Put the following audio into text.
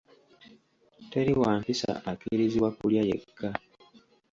Teri wampisa akkirizibwa kulya yekka.